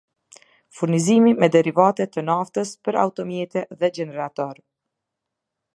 Furnizim me Derivate të Naftës për automjete dhe gjeneratorë